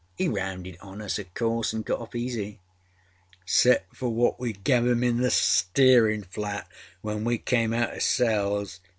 He rounded on us, oâ course, anâ got off easy.â âExcepâ for what we gave him in the steerinâ flat when we came out oâ cells.